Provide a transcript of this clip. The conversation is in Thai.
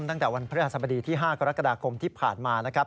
ตั้งแต่วันพระราชสมดีที่๕กรกฎาคมที่ผ่านมานะครับ